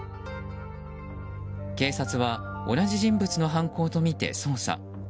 警察は同じ人物の犯行とみて捜査。